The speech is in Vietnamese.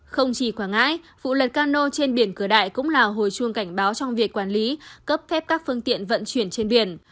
không chỉ quảng ngãi vụ lật cano trên biển cửa đại cũng là hồi chuông cảnh báo trong việc quản lý cấp phép các phương tiện vận chuyển trên biển